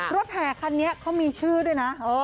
แห่คันนี้เขามีชื่อด้วยนะ